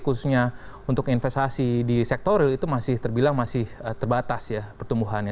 khususnya untuk investasi di sektor real itu masih terbilang masih terbatas ya pertumbuhannya